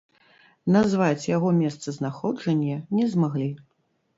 Назваць яго месцазнаходжанне не змаглі.